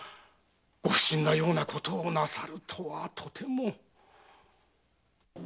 ご不審のようなことをなさるとはとても。